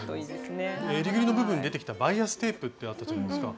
えりぐりの部分に出てきたバイアステープってあったじゃないですか。